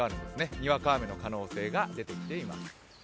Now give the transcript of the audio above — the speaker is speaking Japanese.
にわか雨の可能性が出てきています。